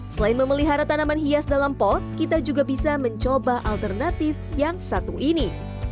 selain memelihara tanaman hias dalam pot kita juga bisa mencoba alternatif yang satu ini